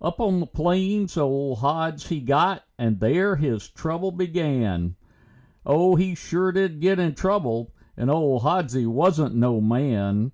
Up on the plains old Hods he got and there his trouble began. Oh, he sure did get in trouble, and old Hodsie wasn't no man.